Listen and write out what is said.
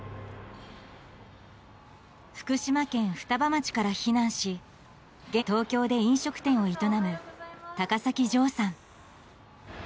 福島県双葉町から避難し現在は東京で飲食店を営む高崎丈さん。